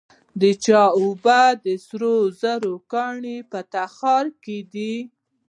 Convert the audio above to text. د چاه اب د سرو زرو کان په تخار کې دی